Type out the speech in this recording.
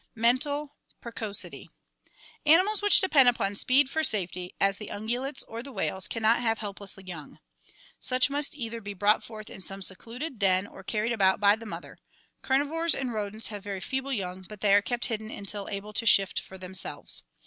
Menial Precocity Animals which depend upon speed for safety, as the ungulates or the whales, can not have helpless young. Such must either be brought forth in some secluded den or carried about by the mother. Carnivores and rodents have very feeble young, but they are kept hidden until able to shift for themselves.